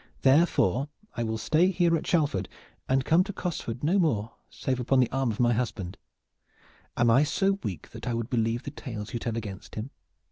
Therefore I will stay here at Shalford and come to Cosford no more save upon the arm of my husband. Am I so weak that I would believe the tales you tell against him?